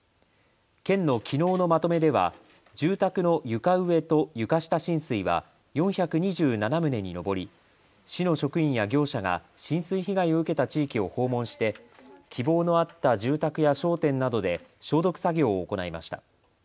県のきのうのまとめでは住宅の床上と床下浸水は４２７棟に上り、市の職員や業者が浸水被害を受けた地域を訪問して希望のあった住宅や商店などで消毒作業を行いました。